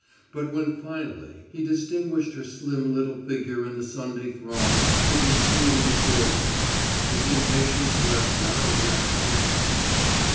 But when finally he distinguished her slim little figure in the Sunday throng that was streaming toward him, his impatience left not a wrack behind.